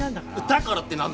だからってな。